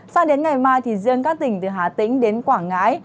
sang đến ngày mai thì riêng các tỉnh từ hà tĩnh đến quảng ngãi